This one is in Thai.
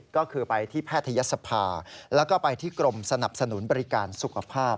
ก็คือไปที่แพทยศภาแล้วก็ไปที่กรมสนับสนุนบริการสุขภาพ